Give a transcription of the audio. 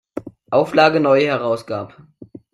Auflage neu herausgab.